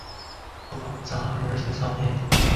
All the harvesters stop work and march towards him.